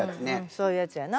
そういうやつやな。